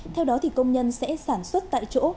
theo đó công nhân sẽ sản xuất tại chỗ